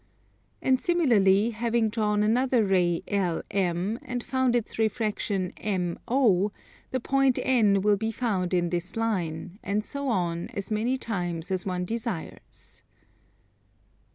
And similarly, having drawn another ray LM, and found its refraction MO, the point N will be found in this line, and so on as many times as one desires.